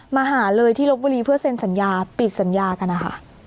มาหาเลยที่ลบบุรีเพื่อเซ็นสัญญาปิดสัญญากันนะคะ